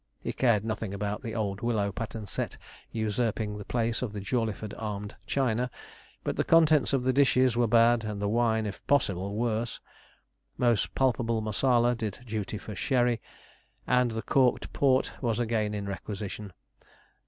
He cared nothing about the old willow pattern set usurping the place of the Jawleyford armed china; but the contents of the dishes were bad, and the wine, if possible, worse. Most palpable Marsala did duty for sherry, and the corked port was again in requisition.